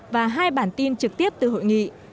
và hai bản tin trực tiếp từ hội nghị